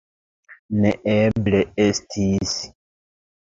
Neeble estis!